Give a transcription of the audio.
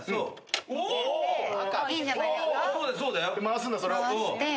回すんだそれを。